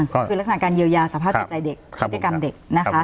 คือลักษณะการเยียวยาสภาพจุดใจเด็กครับผมครับ